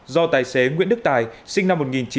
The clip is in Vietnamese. do tài xế nguyễn đức tài sinh năm một nghìn chín trăm tám mươi